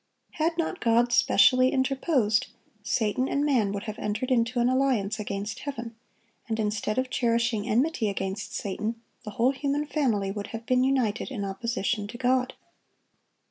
Had not God specially interposed, Satan and man would have entered into an alliance against Heaven; and instead of cherishing enmity against Satan, the whole human family would have been united in opposition to God.